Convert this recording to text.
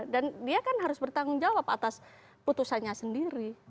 dan dia kan harus bertanggung jawab atas putusannya sendiri